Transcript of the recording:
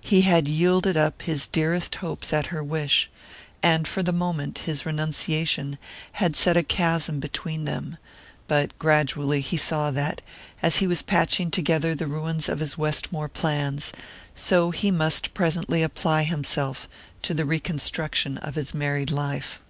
He had yielded up his dearest hopes at her wish, and for the moment his renunciation had set a chasm between them; but gradually he saw that, as he was patching together the ruins of his Westmore plans, so he must presently apply himself to the reconstruction of his married life.